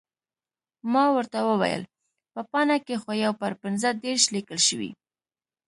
ما ورته وویل، په پاڼه کې خو یو پر پنځه دېرش لیکل شوي.